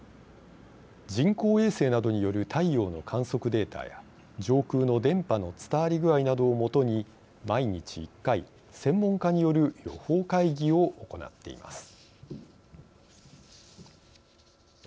人工衛星などによる太陽の観測データや上空の電波の伝わり具合などを基に毎日１回専門家による予報会議を行っています。